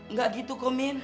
nggak gitu kok mimin